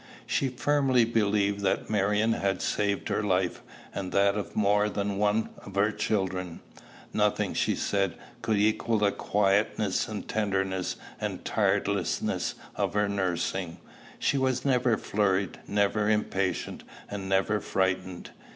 She firmly believed that Marion had saved her life, and that of more than one of her children. Nothing, she said, could equal the quietness and tenderness and tirelessness of her nursing. She was never flurried, never impatient, and never frightened.